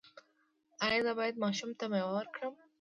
ایا زه باید ماشوم ته میوه ورکړم؟